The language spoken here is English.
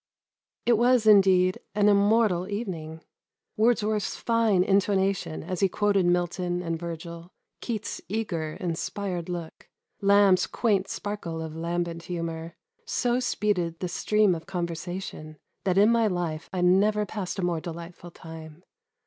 It was, indeed, an immortal evening. Wordsworth's fine intonation as he quoted Milton and Virgil, Keats' eager, in spired look. Lamb's quaint sparkle of lambent humour, so speeded the stream of conversation, that in my life I never passed a more delightful time.